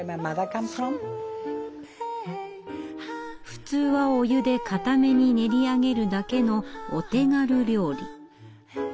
普通はお湯でかために練り上げるだけのお手軽料理。